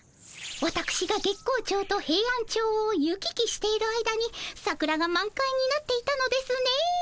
わたくしが月光町とヘイアンチョウを行き来してる間に桜が満開になっていたのですね。